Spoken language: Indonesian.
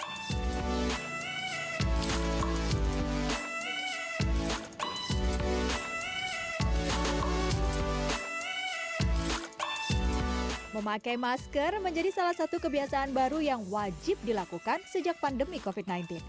hai memakai masker menjadi salah satu kebiasaan baru yang wajib dilakukan sejak pandemi kofit